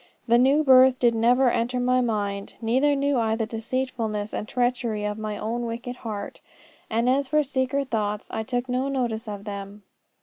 The new birth did never enter my mind, neither knew I the deceitfulness and treachery of my own wicked heart. And as for secret thoughts, I took no notice of them."